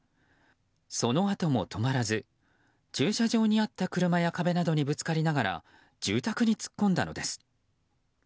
そのあとも止まらず駐車場にあった車や壁などにぶつかりながら住宅に突っ込んだのです。